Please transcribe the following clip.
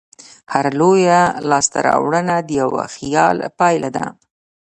هره لویه لاستهراوړنه د یوه خیال پایله ده.